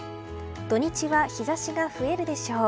土日は日差しが増えるでしょう。